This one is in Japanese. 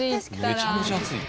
めちゃめちゃ暑い。